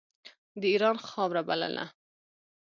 د اېران خاوره بلله.